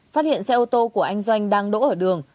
phát hiện xe ô tô của anh doanh đang đỗ ở đường